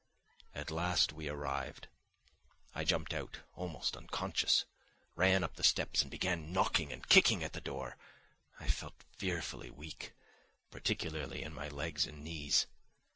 At last we arrived. I jumped out, almost unconscious, ran up the steps and began knocking and kicking at the door. I felt fearfully weak, particularly in my legs and knees.